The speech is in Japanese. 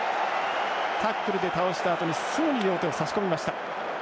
タックルで倒したあとにすぐに両手を差し込みました。